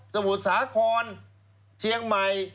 ที่ไหน